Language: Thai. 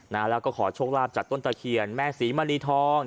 นะแล้วก็ขอโชคลาภจากต้นตะเคียนแม่ศรีมณีทอง